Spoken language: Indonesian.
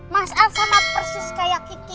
mas el sama persis kayak kiki